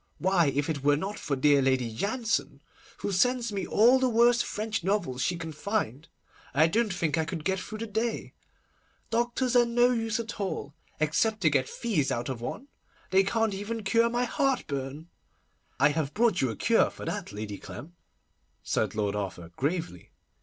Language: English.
Why, if it were not for dear Lady Jansen, who sends me all the worst French novels she can find, I don't think I could get through the day. Doctors are no use at all, except to get fees out of one. They can't even cure my heartburn.' 'I have brought you a cure for that, Lady Clem,' said Lord Arthur gravely.